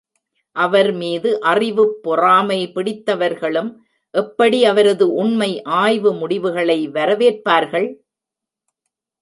அவர் மீது அறிவுப் பொறாமை பிடித்தவர்களும் எப்படி அவரது உண்மை ஆய்வு முடிவுகளை வரவேற்பார்கள்?